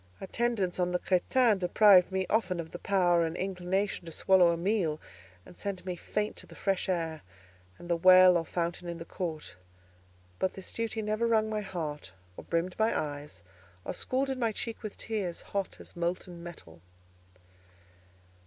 Attendance on the crétin deprived me often of the power and inclination to swallow a meal, and sent me faint to the fresh air, and the well or fountain in the court; but this duty never wrung my heart, or brimmed my eyes, or scalded my cheek with tears hot as molten metal.